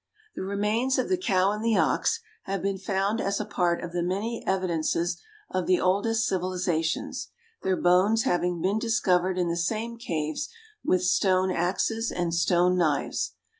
The remains of the cow and the ox have been found as a part of the many evidences of the oldest civilizations, their bones having been discovered in the same caves with stone axes and stone knives.